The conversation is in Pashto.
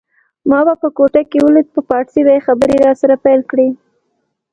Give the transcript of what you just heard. ما به په کوټه کي ولید په پارسي به یې خبري راسره پیل کړې